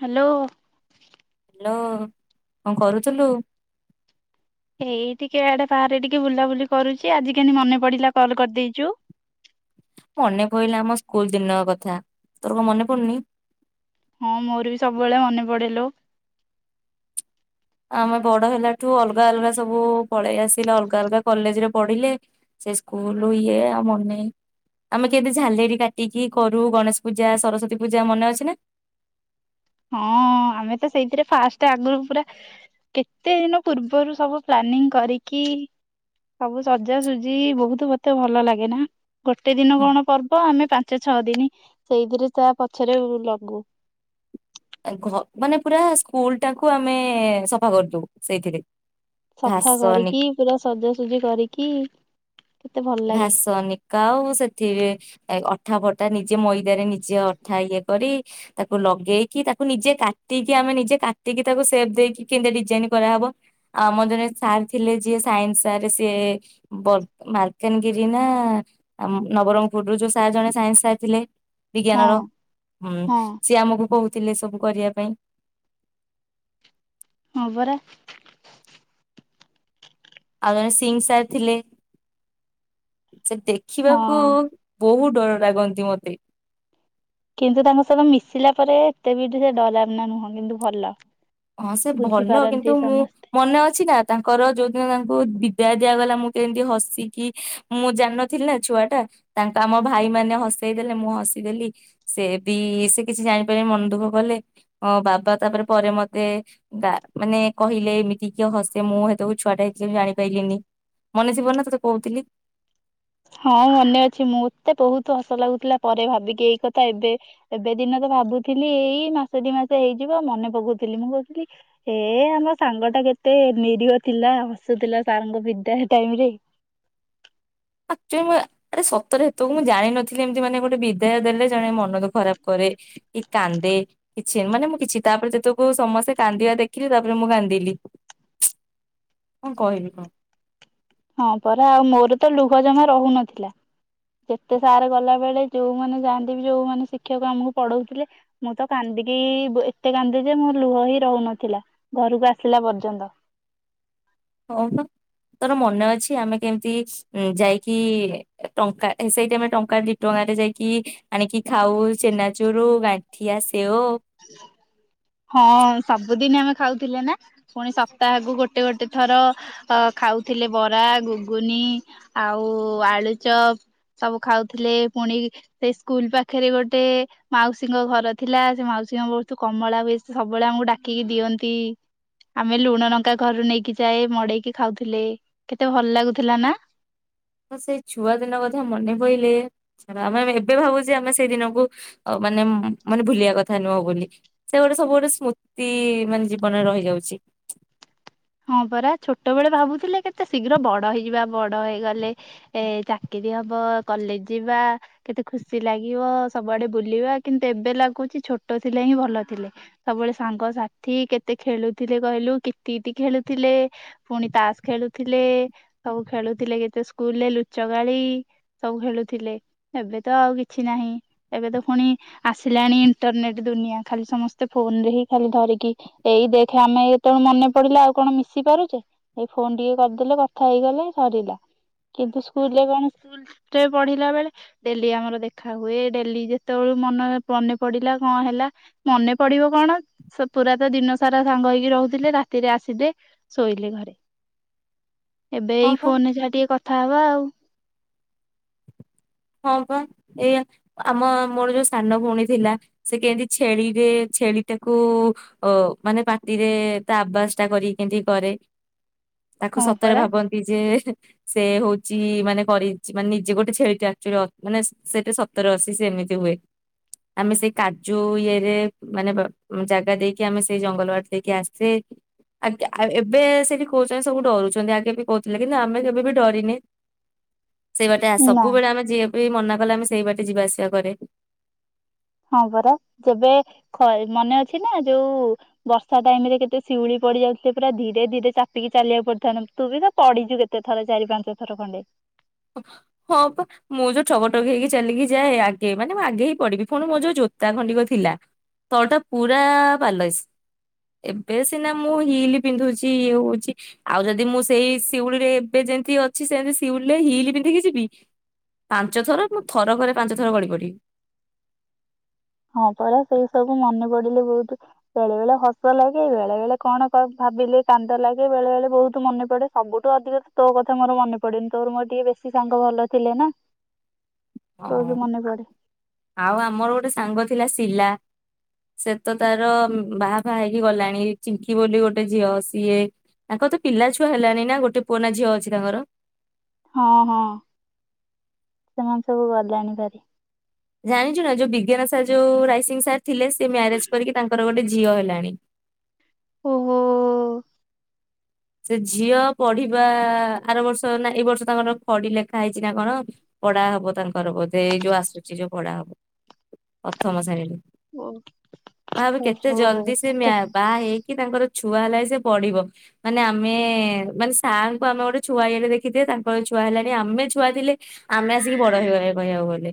Hello hello କଣ କରୁଥିଲୁ? ଏଇ ଟିକେ ଆଡେ ବାହାରେ ଟିକେ ବୁଲାବୁଲି କରୁଛି ଆଜି କେମତି ମନେ ପଡିଲା କଲ କରିଦେଇଛୁ ମନେ ପଡିଲା ଆମ ସ୍କୁଲ ଦିନ କଥା ତୋର କଣ ମନେ ପଡୁନି ହଁ ମୋର ବି ସବୁବେଳେ ମନେ ପଡେଲୋ ଆମେ ବଡ ହେଲାଠୁ ଅଲଗା ଅଲଗା ସବୁ ପଳେଇ ଆସିଲେ ଅଲଗା ଅଲଗା କଲେଜରେ ପଢିଲେ ସେ ସ୍କୁଲ ଇଏ ଆଉ ମନେ ଆମେ କେମିତି ଝାଲେରି କାଟିକି କରୁ ଗଣେଶ ପୂଜା ସରସ୍ଵତୀ ପୂଜା ମନେ ଅଛି ନା। ହଁ ଆମେ ତ ସେଇଥିରେ ଫାଷ୍ଟ ଆଗରୁ ପୁରା କେତେ ଦିନ ପୂର୍ବରୁ ସବୁ ପ୍ଲାନିଂ କରିକି ସବୁ ସଜାସଜି ବହୁତ ମତେ ଭଲ ଲାଗେ ନା ଗୋଟେ ଦିନ କଣ ପର୍ବ ଆମେ ପାଞ୍ଚ ପାଞ୍ଚ ଛଅ ଦିନ ସେଇଥିରେ ତା ପଛରେ ଲାଗୁ ମାନେ ପୁରା ସ୍କୁଲ ଟାକୁ ଆମେ ସଫା କରିଦଉ ସେଇଥିରେ ସଫା ଘାସ ନି କରିକି ପୁରା ସଜାସଜି କରିକି କି ଘାସ ନିକା ଆଉ ସେଥିରେ ଅଠା ଫଟା ନିଜେ ମଇଦ ନିଜେ ଅଠା ଇଏ କରି ତାକୁ ଲଗେଇକି ତାକୁ ନିଜେ କାଟିକି ଆମେ ନିଜେ କାଟିକି ତାକୁ ସେପ ଦେଇକି କେମତି ଡିଜାଇନ କରାହେବ ଆଉ ଆମର ଜଣେ ସାର୍ ଥିଲେ ଯିଏ ସାଇନ୍ସ ସାରେ ସିଏ ହେମଗିରି ନା ନବରଙ୍ଗପୁରରୁୁ ଯୋଉ ସାର୍ ଜଣେ ସାଇନ୍ସ ସାର୍ ଥିଲେ ହଁ ବିଜ୍ଞାନ ର ହୁଁ ହଁ ସିଏ ଆମକୁ କହୁ- ଥିଲେ ସବୁ କରିଆ ପାଇଁ। ହଁ ପରା। ଆଉ ସିଂ ସାର୍ ଥିଲେ। ସେ ଦେଖିବାକୁ ହଁ। ବହୁ ଡର ଲାଗନ୍ତି ମତେ। କିନ୍ତୁ ତାଙ୍କ ସହିତ ମିଶିଲା ପରେ ଏତେ ବି ସେ ଡରାୱାନା ନୁହଁ କିନ୍ତୁ ଭଲ। ହଁ ସେ ଭଲ ବୁଝିପାରନ୍ତି କିନ୍ତୁ ମୁଁ ସମସ୍ତେ। ମନେ ଅଛି ନା ତାଙ୍କର ଯୋଉଦିନ ଜା ବହୁତ ବିଦାୟ ଦିଆଗଲା ମୁଁ କେମିତି ହସିକି ମୁଁ ଜାଣନଥିଲି ନା ଛୁଆ ଟା ତାଙ୍କ ଆମ ଭାଇ ମାନେ ହସେଇ ଦେଲେ ମୁଁ ହସିଦେଲି ସେ ବି ସେ କିଛି ଜାଣିପାରି ମନ ଦୁଃଖ କଲେ ଅ ବାବା ତାପରେ ପରେ ମ ଏ ଗା ମାନେ କହିଲେ ଏମିତି କିଏ ହସେ ମୁଁ ହେତକୁ ଛୁଆଟେ ହେଇଥିଲି ଜାଣିପାଇଲିିନି ମନେଥିବ ନା ତତେ କହୁଥିଲି। ହଁ ମନେ ଅଛି ମୋତେ ବହୁତ ହସ ଲାଗୁଥିଲା ପରେ ଭାବିକି ଏଇ କଥା ଏବେ ଏବେ ଦିନ ତ ଭାବୁଥିଲି ଏଇ ମାସେ ଦି ମାସେ ହେଇଯିବ ମନେ ପକଉଥିଲି ମୁଁ କହୁଥିଲି ଏ ଆମ ସାଙ୍ଗ ଟା କେତେ ନିରୀହ ଥିଲା ହସୁଥିଲା ସାରଙ୍କ ବିଦାୟ ଟାଇମରେ। ଆକଚୁଲ୍ଲୀ ମୁଁ ଆରେ ସତରେ ହେତକୁ ମୁଁ ଜାଣିନଥିଲି ଏମିତି ମାନେ ଗୋଟେ ବିଦାୟ ଦେଲେ ଜଣେ ମନକୁ ଖରାପ କରେ କି କାନ୍ଦେ କିଛି ମାନେ ମୁଁ କିଛି ତାପରେ ଯେତକୁ ସମସ୍ତେ କାନ୍ଦିବା ଦେଖିଲି ତାପରେ ମୁଁ କାନ୍ଦିଲି କଣ କହିବି କହ। ହଁ ପରା ଆଉ ମୋର ତ ଲୁହ ଜମା ରହୁନଥିଲା ଯେତେ ସାର ଗଲା ବେଳେ ଯୋଉମାନେ ଯାଆନ୍ତି ବି ଯୋଉମାନେ ଶିକ୍ଷକ ଆମକୁ ପଢଉଥିଲେ ମୁଁ ତ କାନ୍ଦିକି ବ ଏତେ କାନ୍ଦେ ଯେ ମୋ ଲୁହ ହିଁ ରହୁନଥିଲା ଘରକୁ ଆସିଲା ପର୍ଯ୍ୟନ୍ତ। ହଁ ପା ତୋର ମନେ ଅଛି ଆମେ କେମିତି ଇ ଯାଇକି ଟଙ୍କା ସେଇଠି ଆମେ ଟଙ୍କା ଦି ଟଙ୍କାରେ ଯାଇକି ଆଣିକି ଖାଉ ଚେନାଚୁରୁ ଗାଠିଆ ସେଓ। ହଁ ସବୁଦିନ ଆମେ ଖାଉଥିଲେ ନା ପୁଣି ସପ୍ତାହକୁ ଗୋଟେ ଗୋଟେ ଥର ଖାଉଥିଲେ ବରା ଗୁଗୁନି ଆଉ ଆଳୁଚପ ସବୁ ଖାଉଥିଲେ ପୁଣି ସେ ସ୍କୁଲ ପାଖରେ ଗୋଟେ ମାଉସୀଙ୍କ ଘର ଥିଲା ସେ ମାଉ ସୀ ଙ୍କ ବହୁତୁ କମଳା ବେଶୀ ସବୁବେଳେ ଆମକୁ ଡାକିକି ଦିଅନ୍ତି ଆମେ ଲୁଣ ଲଙ୍କା ଘରରୁ ନେଇକି ଯାଏ ମଡେଇକି ଖାଉଥିଲେ କେତେ ଭଲ ଲାଗୁଥିଲା ନା। ସେଇ ଛୁଆ ଦିନ କଥା ମନେ ପଇଲେ ରା ଆ-ଆ-ଆମେ ଏବେ ଭାବୁଛେ ଆମେ ସେଇ ଦିନକୁ ଅ ମାନେ ମ ମାନେ ଭୁଲିଆ କଥା ନୁହଁ ବୋଲି ସେ ଗୋଟେ ସବୁ ଗୋଟେ ସ୍ମୃତି ମାନେ ଜୀବନରେ ରହିଯାଉଛି। ହଁ ପରା ଛୋଟବେଳେ ଭାବୁଥିଲେ କେତେ ଶୀଘ୍ର ବଡ ହେଇଯିବା ବଡ ହେଇଗଲେ ଏ ଚାକିରୀ ହବ କଲେଜ ଯିବା କେତେ ଖୁସି ଲାଗିବ ସବୁଆଡେ ବୁଲିବା କିନ୍ତୁ ଏବେ ଲାଗୁଛି ଛୋଟ ଥିଲେ ହିଁ ଭଲ ଥିଲେ ସବୁବେଳେ ସାଙ୍ଗସାଥି କେତେ ଖେଳୁଥିଲେ କହିଲୁ କିତିକି ଖେଳୁଥିଲେ ପୁଣି ତାସ ଖେଳୁଥିଲେ ସବୁ ଖେଳୁଥିଲେ କେତେ ସ୍କୁଲରେ ଲୁଚକାଳି ସବୁ ଖେଳୁଥିଲେ ଏବେ ତ ଆଉ କିଛି ନାହିଁ ଏବେ ତ ପୁଣି ଆସିଲାଣି ଇଣ୍ଟରନେଟ ଦୁନିଆ ଖାଲି ସମସ୍ତେ ଫୋନ ରେ ହିଁ ଖାଲି ଧରିକି ଏଇ ଦେଖେ ଆମେ ଏତ ମନେ। ପଡ଼ିଲା ଆଉ କଣ ମିଶି ପାରୁଚେ ଏଇ ଫୋନ ଟିକେ କରିଦେଲେ କଥା ହେଇଗଲେ ସରିଲା କିନ୍ତୁ ସ୍କୁଲରେ କଣ ସ୍କୁଲରେ [unintelligible] ପଢିଲା ବେଳେ ଡେଲି ଆମର ଦେଖା ହୁଏ ଡେଲି ଯେତେବେଳୁ ମନରେ ମନେ ପଡିଲା କଣ ହେଲା ମନେ ପଡିବ କଣ ପୁରା ତ ଦିନ ସାରା ସାଙ୍ଗ ହେଇକି ରହୁଥିଲେ ରା ରାତିରେ ଆସିବେ ଶୋଇଲେ ଘରେ। ଏବେ ହଁ ଏଇ ପା। ଫୋନ ରେ ଯାହା ଟିକେ କଥା ବା ଆଉ। ହଁ ପା ଏୟା ଆମ ମୋର ଯୋଉ ସାନ ଭଉଣୀ ଥିଲା ସେ କେମିତି ଛେଳିରେ ଛେଳିଟାକୁ ଅ ମାନେ ପାଟିରେ ତା ଆବାସ ଟା କରିକି କେମିତି କରେ। ତାକୁ ହଁ ସତରେ ପରା ଭାବନ୍ତି ଯେ। ସେ ହଉଚି ମାନେ କରିଚ ମାନେ ନିଜେ ଗୋଟେ ଛେଳିଟା। ଚୁର ମାନେ ସ-ସ-ସେଠି ସତର ଅଶି ସେ ଏମିତି ହୁଏ ଆମେ ସେଇ କାଜୁ ଇଏ ରେ ମାନେ ବ ଜାଗା ଦେଇକି ଆମେ ସେଇ ଜଙ୍ଗଲ ବାଟ ଦେଇକି ଆସେ ଆ ଆ ଏବେ ସେଇଠି କହୁଛନ୍ତି ସବୁ ଡରୁଛନ୍ତି ଆଗେ ବି କହୁଥିଲେ କିନ୍ତୁ ଆମେ କେବେ ବି ଡରିନେ। ସେଇ ବାଟେ ଆ ନା ସବୁବେଳେ ଆମେ ବି ମନା କଲେ ଆମେ ସେଇ ବାଟେ ଯିବା ଆସିବା କରେ। ହଁ ପରା ଯେବେ ଖ ମନେ ଅଛି ନା ଯୋଉ ବର୍ଷା ଟାଇମ ରେ କେତେ ଶିଉଳି ପଡି ଯାଉଥିଲେ ପୁରା ଧୀରେ ଧୀରେ ଚାପିକି ଚାଲିବାକୁ ପଡିଥା ତୁ ବି ତ ପଡିଛୁ କେତେ ଥର ଚାରି ପାଞ୍ଚ ଥର ଖଣ୍ଡେ। ହଁ ପା ମୁଁ ଯୋଉ ଠଗଠଗ ହେଇକି ଚାଲିକି ଯାଏ ଆଗେ ମାନେ ମୁଁ ଆଗେ ହିଁ ପଡିବି ଫୁଣି ମୋ ଯୋଉ ଜୋତା ଖଣ୍ଡିକ ଥିଲା ତଳଟା ପୁରା ପାଲଇସ, ଏବେ ସିନା ମୁଁ ହିଲି ପିନ୍ଧୁଛି ଇଏ ହଉଛି ଆଉ ଯଦି ମୁଁ ସେଇ ଶିଉଳିରେ ଏବେ ଯେମତି ଅଛି ସେମତିି ଶିଉଲ ହିଲି ପିନ୍ଧିକି ଯିବି ପାଞ୍ଚ ଥର ମୁଁ ଥର କରେ ପାଞ୍ଚ ଥର ଗଳି ପଡିବି। ହଁ ପରା ସେଇ ସବୁ ମନେ ପଡିଲେ ବହୁତୁ ବେଳେ ବେଳେ ହସ ଲାଗେ ବେଳେ ବେଳେ କଣ କ ଭାବିଲେ କାନ୍ଦ ଲାଗେ ବେଳେ ବେଳେ ବହୁତ ମନେ ପଡେ ସବୁଠୁ ଅଧିକ ତ ତୋ କଥା ମୋର ମନେ ପଡେନି ତୋର ମୋର ଟିକେ ବେଶୀ ସାଙ୍ଗ ଭଲ ଥିଲେ ନା ହଁ ବହୁତ ମନେ ପଡେ। ଆ ଆଉ ଆମର ଗୋଟେ ସାଙ୍ଗ ଥିଲା ଶିଲା ସେ ତ ତାର ବାହା ଫାହା ହେଇକି ଗଲାଣି ଚିଙ୍କି ବୋଲି ଗୋଟେ ଝିଅ ସିଏ ତାଙ୍କ ତ ପିଲା ଛୁଆ ହେଲାଣି ନା ଗୋଟେ ପୁଅ ନା ଝିଅ ଅଛି ତାଙ୍କର ହଁ ହଁ ସେମାନେ ସବୁ ଗଲେଣି ଭେରି। ଜାଣିଛୁ ନା ଯୋଉ ବିଜ୍ଞାନ ସାର୍ ଯୋଉ ରାଇସିଂ ସାର୍ ଥିଲେ ସେ ମ୍ୟାରେଜ କରିକି ତାଙ୍କର ଗୋଟେ ଝି ଝିଅ ହେଲାଣି। ଓ ହୋ। ସେ ଝିଅ ପଢିବା ଆର ବର୍ଷ ନା ଏଇ ବର୍ଷ ତାଙ୍କର ଖଡି ଲେଖା ହେଇଛି ନା କଣ ପଢା ହବ ତାଙ୍କର ବୋଧେ ଏଇ ଯୋଉ ଆସୁଛି ଯୋଉ ପଢା ହବ ପ୍ରଥମ ଶ୍ରେଣୀରୁ। ଓହୋ ଭାବେ କେତେ ଜଲଦି ସେ ମ୍ୟା ବାହା ହେଇକି ତାଙ୍କର। ଛୁଆ ହେଲାଇ ସେ ପଢିବ। ମାନେ ଆମେ ମାନେ ସାର୍ ଙ୍କୁ ଆମେ ଗୋଟେ ଛୁଆ ଇଏରେ ଦେଖିଥିବେ, ତାଙ୍କର ଛୁଆ ହେଲାଣି ଆମେ ଛୁଆ ଥିଲେ ଆମେ ଆସିକି ବଡ ହେଇଗଲେଣି କହିବାକୁ ଗଲେ।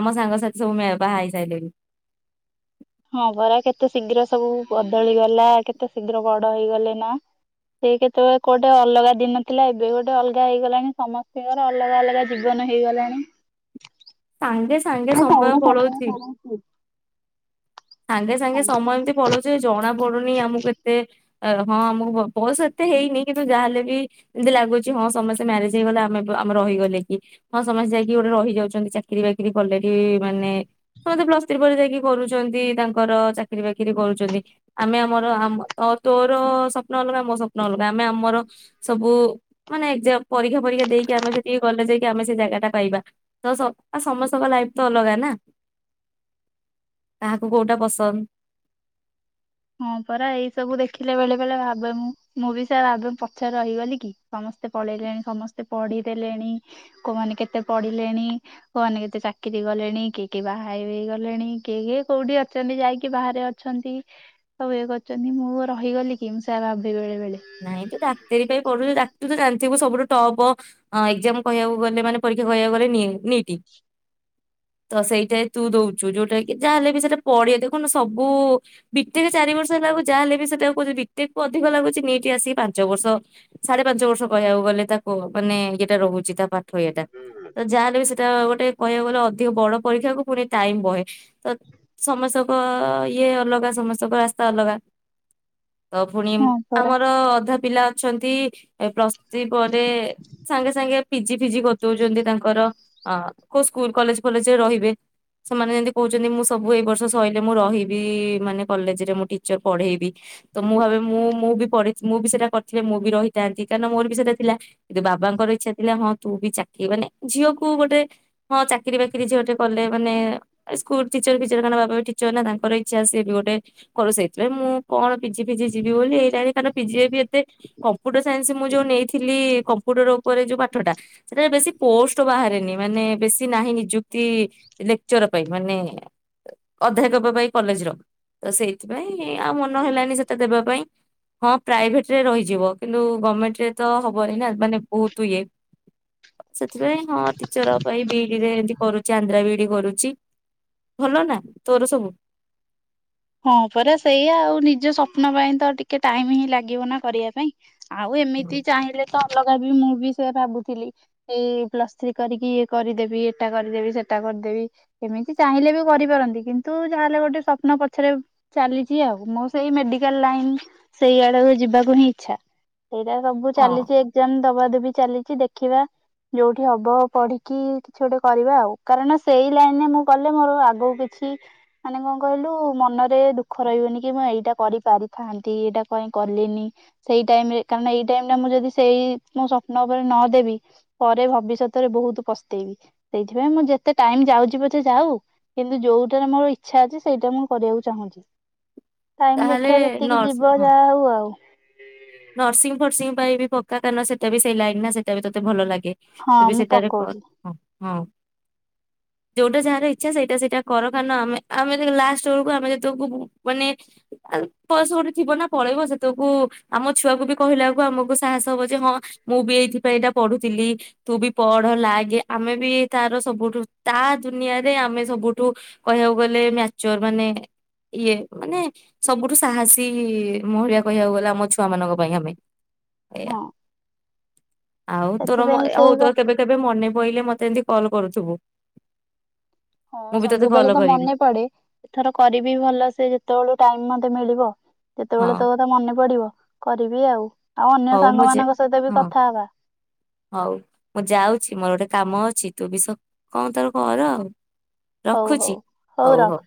ଆମ ସାଙ୍ଗସାଥି ସବୁ ମ୍ୟା ବାହା ହେଇ ସାଇଲେଣି। ହଁ ପରା କେତେ ଶୀଘ୍ର ସବୁ ବଦଳିଗଲା, କେତେ ଶୀଘ୍ର ବଡ ହେଇଗଲେ ନା, କିଏ କେତେବେଳେ କୋଉଟେ ଅଲଗା ଦିନ ଥିଲା ଏବେ ଗୋଟେ ଅଲଗା ହେଇଗଲାଣି ସମସ୍ତିଙ୍କର ଅଲଗା ଅଲଗା ଜୀବନ ହେଇଗଲାଣି। ସାଙ୍ଗେ ସାଙ୍ଗେ ସମୟ ପଳଉଚି। ହଁ ସାଙ୍ଗେ ସାଙ୍ଗେ ସମୟ ଏମତି ପଳଉଚି, ଯେ ଜଣା ପଡୁନି ଆମକୁ ଏତେ ଏ ହଁ ଆମକୁ ବ-ବୟସ ଏତେ ହେଇନି କିନ୍ତୁ ଯାହାହେଲେ ବି ଯେମତି ଲାଗୁଚି ହଁ ସମସ୍ତେ ମ୍ୟାରେଜ୍ ହେଇଗଲେ ଆମେ ବି ଆମେ ରହିଗଲେ କି ହଁ ସମସ୍ତେ ଯାଇକି ଗୋଟେ ରହିଯାଉଚନ୍ତି ଚାକିରି ବାକିରି କଲେ କି ମାନେ ସମସ୍ତେ ପ୍ଲସ୍ ଥ୍ରୀ ପରେ ଯାଇକି କରୁଚନ୍ତି। ତାଙ୍କର ଚାକିରି ବାକ୍ କିରି କରୁଚନ୍ତି, ଆମେ ଆମର ଆମ ତ ତୋର ତୋ ସ୍ୱପ୍ନ ଅଲଗା ମୋ ସ୍ୱପ୍ନ ଅଲଗା ଆମେ ଆମର ସବୁ ମାନେ ଏକ୍ଜାମ ପରୀକ୍ଷା ଫରୀକ୍ଷା ଦେଇକି ଆମେ ସେଠିକି କଲେଜ୍ ଯାଇକି ଆମେ ସେ ଜାଗା ଟା ପାଇବା ତ ସ-ଆ-ସମସ୍ତଙ୍କ ଲାଇଫ ତ ଅଲଗା ନା। ଆଁ ହଁ ପରା ଏଇ ସବୁ ଦେଖିଲେ ବେଳେ ବେଳେ ଭାବେ ମୁଁ, ମୁଁ ବି ସେୟା ଭାବେ ମୁଁ ପଛରେ ରହିଗଲି କି, ସମସ୍ତେ ପଳେଇଲେଣି, ସମସ୍ତେ ପଢିଦେଲେଣି, କୋଉମାନେ କେତେ ପଢିଲେଣି, କୋଉମାନେ କେତେ ଚାକିରି ଗଲେଣି, କିଏ କିଏ ବାହା ବି ହେଇଗଲେଣି, କିଏ କିଏ କୋଉଠି ଅଛନ୍ତି ଯାଇକି ବାହାରେ ଅଛନ୍ତି। ସବୁ ଇଏ କରୁଚନ୍ତି, ମୁଁ ରହିଗଲି କି ମୁଁ ସେୟା ଭାବେ ବେଳେ ବେଳେ। ନାଇଁ ତୁ ଡାକ୍ତରୀ ପାଇଁ ପଢୁଚୁ ଡା ତୁ ତ ଜାଣିଥିବୁ ସବୁଠୁ ଟପ୍ ଅଁ, ଏକ୍ଜାମ କହିବାକୁ ଗଲେ ମାନେ ପରୀକ୍ଷା କହିବାକୁ ଗଲେ ନି-ନିଟି, ତ ସେଇଟା ତୁ ଦଉଚୁ, ଯୋଉଟା କି ଯାହା ହେଲେବି ସେଟା ପଡେ ଦେଖୁନୁ ସବୁ ବିଟେକ୍ ଚାରି ବର୍ଷ ହେଲାକୁ ଯାହେଲେ ବି ସେଟା କହୁଚୁ ବିଟେକ୍ କୁ ଅଧିକ ଲାଗୁଚି ନିଟ୍। ଟି ଆସିକି ପାଞ୍ଚ ବର୍ଷ ସାଢେ ପାଞ୍ଚ ବର୍ଷ କହିବାକୁ ଗଲେ ତାକୁ ମାନେ ଇଏଟା ରହୁଚି ତା ପା ଥୋଇବାଟା ତ ଯାହେଲେ ବି ସେଟା ଗୋ ଟେ କହିବାକୁ ଗଲେ ଅଧିକ ବଡ ପରୀକ୍ଷାକୁ ପୁଣି ଟାଇମୂ ବହେ, ତ ସମସ୍ତଙ୍କ ଇଏ ଅଲଗା ସମସ୍ତଙ୍କ ରାସ୍ତା ଅଲଗା। ତ ଫୁଣି ହଁ ପରା। ଆମର୍ ଅଧା ପିଲା ଅଛନ୍ତି, ଏ ପ୍ଲସ୍ ଥ୍ରି ପରେ ସାଙ୍ଗେ ସାଙ୍ଗେ ପିଜି ଫିଜି କରିଦଉଚନ୍ତି ତାଙ୍କର ଅ, କୋଉ ସ୍କୁଲ୍, କଲେଜ୍ ଫଲେଜରେ ରହିବେ ସେମାନେ ଯେମିତି କହୁଚନ୍ତି ମୁଁ ସବୁ ଏଇ ବର୍ଷ ସଇଲେ ମୁଁ ରହିବି, ମାନେ କଲେଜ୍ ରେ ମୁଁ ଟିଚର୍ ପଢେଇବି, ତ ମୁଁ ଭାବେ ମୁଁ ମୁଁ ବି ପଢେ ମୁଁ ବି ସେଟା କରିଥିଲି ମୁଁ ବି ରହିଥାନ୍ତି, କାରଣ ମୋର ବି ସେଟା ଥିଲା, କିନ୍ତୁ ବାବାଙ୍କର ଇଚ୍ଛା ଥିଲା ହଁ ତୁ ବି ଚାକିରି ମାନେ ଝିଅକୁ ଗୋଟେ ହଁ ଚାକିରି ବାକିରି ଝିଅଟେ କଲେ ମାନେ ଏ-ସ୍କୁଲ୍ ଟିଚର୍ ଫିଚର କାରଣ ବାବା ବି ଟିଚର୍ ନା ତାଙ୍କର ଇଚ୍ଛା ସିଏ ବି ଗୋଟେ କରୁ, ସେଇଥିପାଇଁ ମୁଁ କଣ ପିଜିି ଫିଜି ଯିବି ବୋଲି ଏଇଟା [unintelligible] ପିଜି ଏବେ ଏତେ କମ୍ପୁଟର ସାଇନ୍ସ ମୁଁ ଯୋଉ ନେଇଥିଲି କମ୍ପୁଟର ଉପରେ ଯୋଉ ପାଠଟା ସେଟାରେ ବେଶି ପୋଷ୍ଟ ବାହାରେନି, ମାନେ ବେଶି ନାହିଁ ନିଯୁକ୍ତି ଲେକ୍ଚର୍ ପାଇଁ ମାନେ ଅଧ୍ୟାୟକ ପାଇଁ କଲେଜ୍ ର ତ ସେଇଥିପାଇଁ ଆଉ ମନ ହେଲାନି ସେଟା ଦେବା ପାଇଁ। ହଁ ପ୍ରାଇଭେଟ୍ ରେ ରହିଯିବ। କିନ୍ତୁ ଗମେଣ୍ଟ ରେ ତ ହବନି ନା ମାନେ ବହୁତ ଇଏ। ସେଥିପାଇଁ ହଁ ଟିଚର୍ ପାଇଁ ବିଇଡିରେ ଏମତି କରୁଚି, ଆନ୍ଧ୍ରା ବିଇଡି କରୁଚି, ଭଲ ନା ତୋର ସବୁ? ହଁ ପରା ସେଇଆା ଆଉ ନିଜ ସ୍ୱପ୍ନ ପାଇଁ ତ ଟିକେ ଟାଇମ୍ ହିଁ ଲାଗିବ ନା କରିବା ପାଇଁ। ଆଉ ଏମିତି ଚାହିଁଲେ ତ ଲଗାବି ମୁଁ ବି ସେୟା ଭାବୁଥିଲି, ଏଇ ପ୍ଲସ ଥ୍ରୀ କରିକି ଇଏ କରିଦେବି, ଏଟା କରିଦେବି, ସେଟା କରିଦେବି, ଏମିତି ଚାହିଁଲେ ବି କରିପାରନ୍ତି, କିନ୍ତୁ ଯାହା ହେଲେ ଗୋଟେ ସ୍ୱପ୍ନ ପ ଛେରେ ଚାଲିଚି ଆଉ, ମୁଁ ସେଇ ମେଡିକାଲ୍ ଲାଇନ୍ ସେଇ ଆଡକୁ ଯିବାକୁ ହିଁ ଇଚ୍ଛା। ସେଇଟା ସବୁ ହଁ ଚାଲିଚି ଏକ୍ଜାମ ଦବା ଦବି ଚାଲିଚି ଦେଖିବା ଯୋଉଠି ହବ ପଢିକି କିଛି ଗୋଟେ କରିବା ଆଉ, କାରଣ ସେଇ ଲାଇନ୍ ରେ ମୁଁ କଲେ ମୋର ଆଗକୁ କିଛି ମାନେ କଣ କହିଲୁ ମନରେ ଦୁଃଖ ରହିବନି କି ମୁଁ ଏଇଟା କରିପାରିଥାନ୍ତି, ଏଇଟା କାଇଁ କଲିନି, ସେଇ ଟାଇମ୍ ରେ କାରଣ ଏଇ ଟାଇମ୍ ଟା ମୁଁ ଯଦି ସେଇ ମୋ ସ୍ୱପ୍ନ ଉପରେ ନ ଦେବି ପରେ ଭବିଷ୍ୟତରେ ବହୁତ ପସ୍ତେଇବି, ସେଇଥିପାଇଁ ମୁଁ ଯେତେ ଟାଇମ୍ ଯାଉଚି ପଛେ ଯାଉ କିନ୍ତୁ ଯୋଉଟାରେ ମୋର ଇଚ୍ଛା ଅଛି ସେଇଟା ମୁଁ କରିବାକୁ ଚାହୁଁଚି। ଟାଇମ୍ ତାହେଲେ ଦେଖିବା ଯେତିକି ନର୍ସ ଯିବ ହଁ ଯାହା ହଉ ଆଉ। ହ ନର୍ସିଂ ଫର୍ସିଂ ପାଇଁ ବି ପକା, କାନ ସେଟା ବି ସେଇ ଲାଇନ୍ ନା ସେଟା ବି ତୋତେ ଭଲ ଲା କେ ହଁ ତ ବି ମୁଁ ସେଟାରେ ପକଉଛି ପ-ହଁ ହଁ ଯୋଉଟା ଯାହାର ଇଚ୍ଛା ସେଇଟା ସେଇଟା କର କାରଣ ଆମେ ଆମେ ଲାଷ୍ଟ ବେଳକୁ ଆମେ ଯେତକୁ ମାନେ ପସ ଗୋଟେ ଥିବ ନା ପଳେଇବ ସେତବେଳକୁ ଆମ ଛୁଆକୁ ବି କହିଲାକୁ ଆମକୁ ସାହସ ହବ ଯେ ହଁ ମୁଁ ବି ଏଇଥିପାଇଁ ଏଇଟା ପଢୁଥିଲି ତୁ ବି ପଢ ଲାଗେ ଆମେ ବି ତାର ସବୁଠୁ ତା ଦୁନିଆରେ ଆମେ ସବୁଠୁ କହିବାକୁ ଗଲେ ମ୍ୟାଚୋର ମାନେ ଇଏ ମାନେ ସବୁଠୁ ସାହସୀ ମହିଳା କହିବାକୁ ଗଲେ ଆମ ଛୁଆ ମମାନଙ୍କ ପାଇଁ ଆମେ ଏଇଞା ହଁ। ଆଉ ତୋର ସେଥିପାଇଁ ହଉ ସେଇ ବା ତୋ କେବେ କେବେ ମନେ ବହିଲେ ମତେ ଏମିତି କଲ କରୁଥିବୁ ହଁ ମୁଁ ବି ତୋତେ ସବୁବେଳେ କଲ୍ ତ କରିବି ମନେ ପଡେ ଏଥର କରିବି ଭଲ ସେ ଯେତେବେଳ ଟାଇମ ମତେ ମିଳିବ ହ ହ ହଁ ଯେତେବେଳେ ତୋ କଥା ମନେ ପଡିବ କରିବି ଆଉ। ଆଉ ଅନ୍ୟ ହଉ ମୁଁ ସାଙ୍ଗମାନଙ୍କ ସହିତ ବି ହଁ କଥା ହବା ହଉ ମୁଁ ଯାଉଛି ମୋର ଗୋଟେ କାମ ଅଛି ତୁ ବି ସ କଣ ତାର ଘ ଆଉ ହଉ ହଉ ହଉ ରଖ।